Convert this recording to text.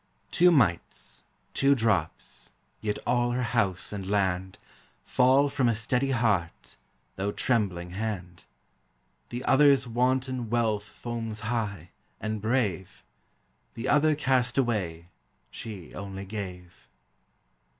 Two mites, two drops, yet all her house and land, Fall from a steady heart, though trembling hand: The other's wanton wealth foams high, and brave; The other cast away, she only gave.